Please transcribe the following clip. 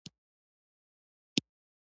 بره خوا کې د خاشاکو یوه جزیره وه.